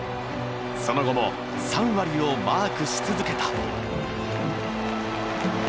その後も３割をマークし続けた。